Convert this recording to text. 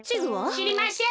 しりません。